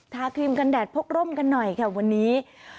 ครีมกันแดดพกร่มกันหน่อยค่ะวันนี้